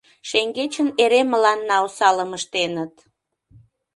Шеҥгечын эре мыланна осалым ыштеныт...